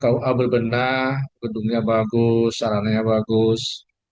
kua berbedah gedungnya bagus arahannya bagus